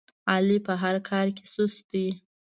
علي په هر کار کې سست دی.